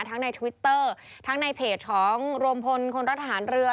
ทั้งในทวิตเตอร์ทั้งในเพจของรวมพลคนรัฐทหารเรือ